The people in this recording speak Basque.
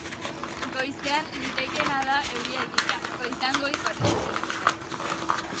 Goizean, litekeena da euria egitea, goizean goiz batez ere.